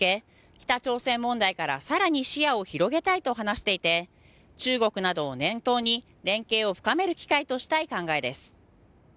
北朝鮮問題から更に視野を広げたいと話していて中国などを念頭に連携を深める機会としたい考えです。